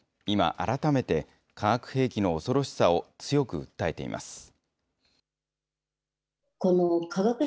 今、改めて、化学兵器の恐ろしさを強く訴えています。